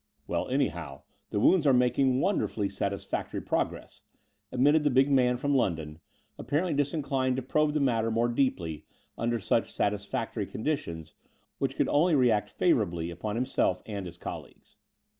"Well, anyhow, the wounds are making wonder fully satisfactory progress," admitted the big man from London, apparently disinclined to probe the matter more deeply under such satisfactory con ditions, which could only react favourably upon himself and his colleagues.